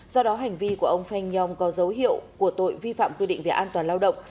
do đó hành vi của ông feng yong có dấu hiệu của tội vi phạm quy định về an toàn lao động